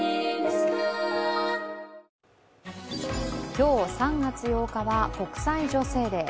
今日、３月８日は国際女性デー。